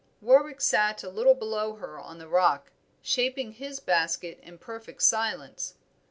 Warwick sat a little below her on the rock, shaping his basket in perfect silence.